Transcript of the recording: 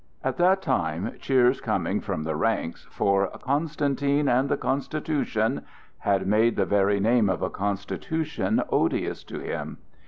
At that time cheers coming from the ranks for "Constantine and the Constitution" had made the very name of a constitution odious to him.